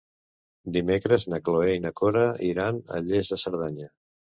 Dimecres na Cloè i na Cora iran a Lles de Cerdanya.